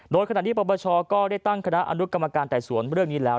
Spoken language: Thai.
โดยขณะที่ปปชก็ได้ตั้งคณะอนุกรรมการไต่สวนเรื่องนี้แล้ว